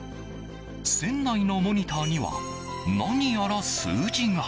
船内のモニターには何やら数字が。